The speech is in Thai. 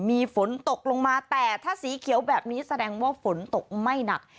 มีฝนตกลงมาแต่ถ้าสีเขียวแบบนี้แสดงว่าฝนตกไม่หนัก